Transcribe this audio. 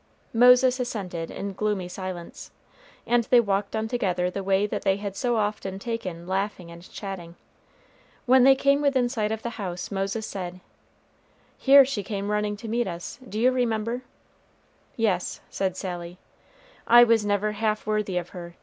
Moses assented in gloomy silence, and they walked on together the way that they had so often taken laughing and chatting. When they came within sight of the house, Moses said, "Here she came running to meet us; do you remember?" "Yes," said Sally. "I was never half worthy of her.